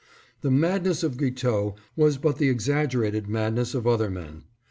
The madness of Guiteau was but the exaggerated madness of other men.